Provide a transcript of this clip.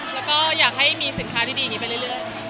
แล้วก็อยากให้มีสินค้าที่ดีอย่างนี้ไปเรื่อย